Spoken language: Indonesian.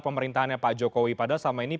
pemerintahnya pak jokowi padahal selama ini